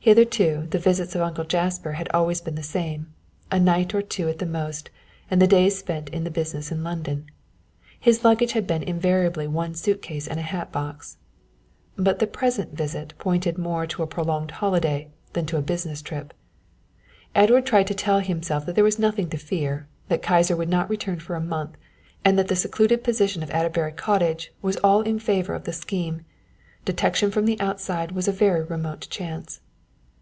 Hitherto the visits of Uncle Jasper had been always the same, a night or two at the most and the days spent in business in London. His luggage had been invariably one suit case and a hatbox. But the present visit pointed more to a prolonged holiday than to a business trip. Edward tried to tell himself that there was nothing to fear, that Kyser would not return for a month, and that the secluded position of Adderbury Cottage was all in favour of the scheme; detection from the outside was a very remote chance.